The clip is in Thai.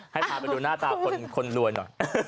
ให้พาไปดูหน้าตาคนรวนด่ะ